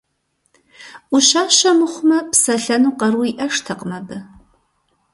Ӏущащэ мыхъумэ, псэлъэну къару иӀэжтэкъым абы.